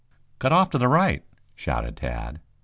"Cut off to the right," shouted Tad.